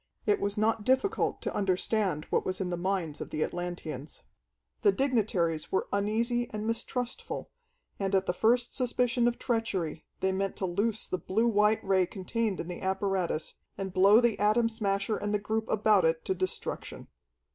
It was not difficult to understand what was in the minds of the Atlanteans. The dignitaries were uneasy and mistrustful, and at the first suspicion of treachery they meant to loose the blue white Ray contained in the apparatus, and blow the Atom Smasher and the group about it to destruction.